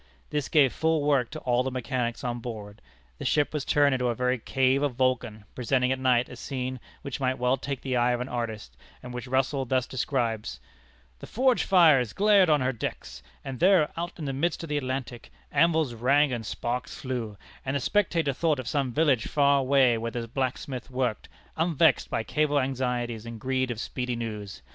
This gave full work to all the mechanics on board. The ship was turned into a very cave of Vulcan, presenting at night a scene which might well take the eye of an artist, and which Russell thus describes: "The forge fires glared on her decks, and there, out in the midst of the Atlantic, anvils rang and sparks flew; and the spectator thought of some village far away, where the blacksmith worked, unvexed by cable anxieties and greed of speedy news.